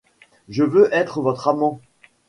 Je veux être votre amant.